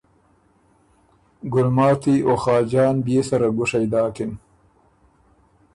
ګلماتی او خاجان بيې سره ګُوشئ داکِن۔